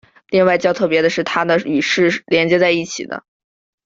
另外较特别的是它的与是连接在一起的。